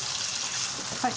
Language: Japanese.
はい。